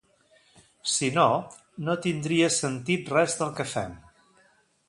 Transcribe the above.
Si no, no tindria sentit res del que fem.